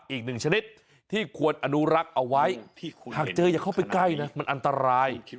อีกหนึ่งชนิดที่ควรอนุรักษ์เอาไว้หากเจออย่าเข้าไปใกล้นะมันอันตราย